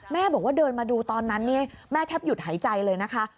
แม่บอกว่าเดินมาดูตอนนั้นแม่แทบหยุดหายใจเลยนะคะ